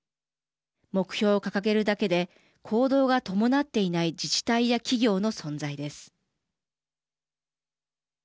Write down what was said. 目標を掲げるだけで行動が伴っていない自治体や企業の存在です。